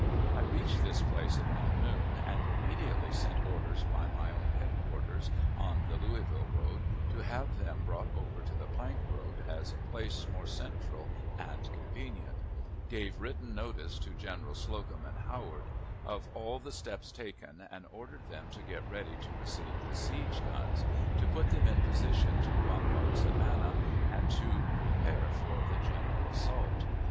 I reached this place about noon, and immediately sent orders to my own head quarters, on the Louisville road, to have them brought over to the plank road, as a place more central and convenient; gave written notice to Generals Slocum and Howard of all the steps taken, and ordered them to get ready to receive the siege guns, to put them in position to bombard Savannah, and to prepare for the general assault.